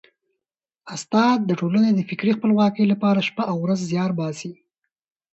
استاد د ټولني د فکري خپلواکۍ لپاره شپه او ورځ زیار باسي.